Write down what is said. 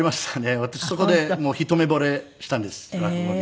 私そこで一目惚れしたんです落語に。